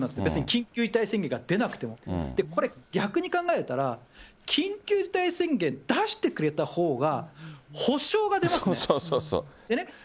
別に緊急事態宣言が出なくても、これ、逆に考えたら、緊急事態宣言出してくれたほうが、補償が出ますね。